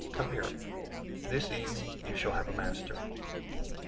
Come here. This evening you shall have a master."